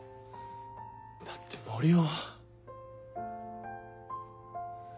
だって森生は。